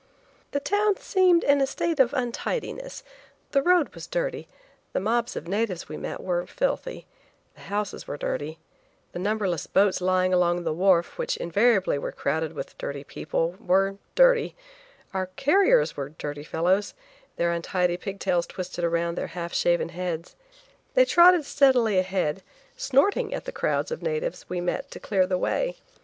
The town seemed in a state of untidiness, the road was dirty, the mobs of natives we met were filthy, the houses were dirty, the numberless boats lying along the wharf, which invariably were crowded with dirty people, were dirty, our carriers were dirty fellows, their untidy pig tails twisted around their half shaven heads. They trotted steadily ahead, snorting at the crowds of natives we met to clear the way.